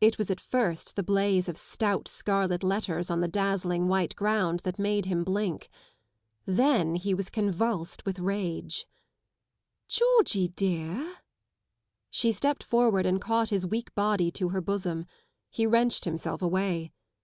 It was at first the blaze of stout scarlet letters on the dazzling white ground that made him blink. Then he was convulsed with rage, " Georgie dear] " She stepped forward and caught his weak body to her bosom. He wrenched himself away.